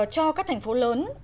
cho các thành phố lớn